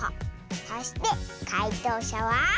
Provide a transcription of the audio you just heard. そしてかいとうしゃは。